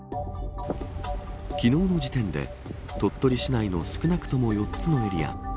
昨日の時点で鳥取市内の少なくとも４つのエリア。